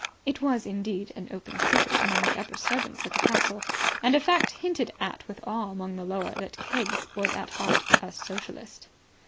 It was, indeed, an open secret among the upper servants at the castle, and a fact hinted at with awe among the lower, that Keggs was at heart a Socialist.